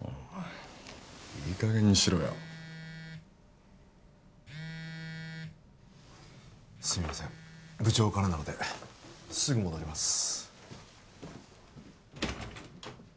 お前いい加減にしろよすいません部長からなのですぐ戻ります